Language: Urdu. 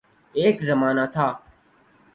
ایک زمانہ تھا۔